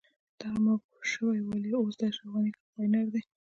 دغه موقوف شوی والي اوس د اشرف غني کمپاينر دی.